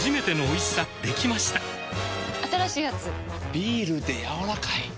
ビールでやわらかい。